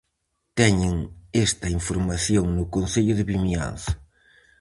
Teñen esta información no Concello de Vimianzo.